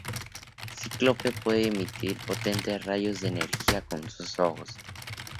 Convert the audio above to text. Cíclope puede emitir potentes rayos de energía de sus ojos.